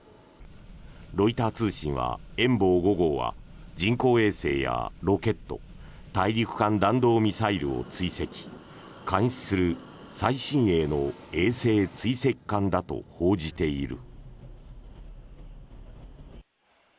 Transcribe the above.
ロイター通信は「遠望５号」は人工衛星やロケット大陸間弾道ミサイルを追跡・監視する最新鋭の衛星追跡艦だと報じている。